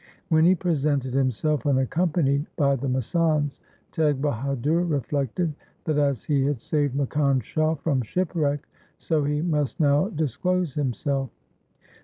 When he presented himself unaccompanied by the masands, Teg Bahadur reflected that as he had saved Makkhan Shah from shipwreck, so he must now dis close himself.